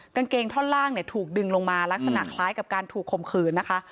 กางเกงท่อนล่างเนี่ยถูกดึงลงมาลักษณะคล้ายกับการถูกข่มขืนนะคะ